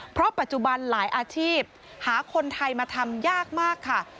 เพราะปัจจุบันหลายอาชีพหาคนไทยมาทำยากมากค่ะ